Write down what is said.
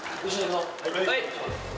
はい。